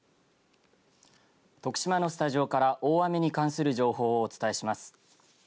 徳島のスタジオから大雨に関する情報をお伝えします。